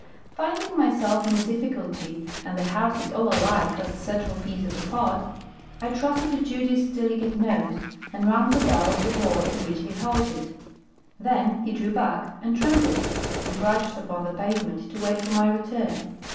Finding myself in a difficulty, and the houses all alike as the central peas of a pod, I trusted to Judy's delicate nose, and rang the bell of the door at which he halted. Then he drew back, and trembled, and crouched upon the pavement, to wait for my return.